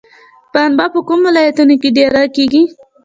پنبه په کومو ولایتونو کې ډیره کیږي؟